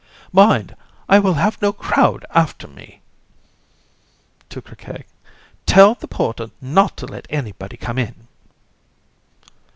COUN. Mind, I will have no crowd after me. (To CRIQUET) Tell the porter not to let anybody come in.